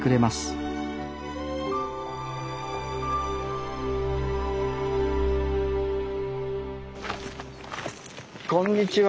ああこんにちは。